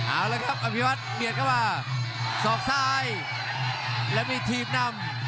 เอาละครับอภิวัตรเบียดเข้ามาสอกซ้ายแล้วมีทีมนำ